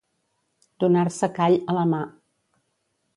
Donar-se call a la mà.